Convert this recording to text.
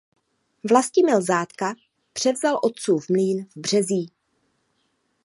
Vlastimil Zátka převzal otcův mlýn v Březí.